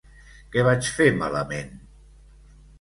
Què vaig fer malament?